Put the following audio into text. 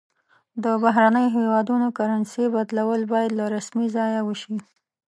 د بهرنیو هیوادونو کرنسي بدلول باید له رسمي ځایه وشي.